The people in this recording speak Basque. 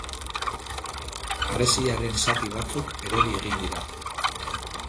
Harresiaren zati batzuk erori egin dira.